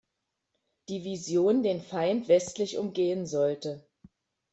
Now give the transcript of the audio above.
Division den Feind westlich umgehen sollte.